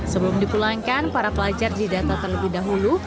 sebelum dipulangkan para pelajar didata terlebih dahulu